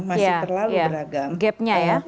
masih terlalu beragam